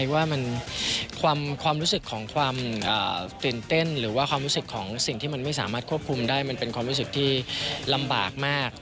ว่าความรู้สึกของความตื่นเต้นหรือว่าความรู้สึกของสิ่งที่มันไม่สามารถควบคุมได้มันเป็นความรู้สึกที่ลำบากมาก